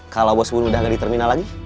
kalau bos bubun udah enggak di terminal lagi